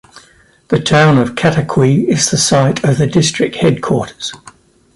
The town of Katakwi is the site of the district headquarters.